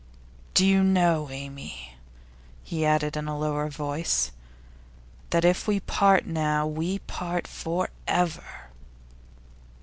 'Do you know, Amy,' he added in a lower voice, 'that if we part now, we part for ever?